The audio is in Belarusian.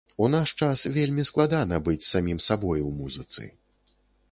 У наш час вельмі складана быць самім сабой у музыцы.